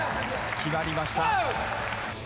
決まりました。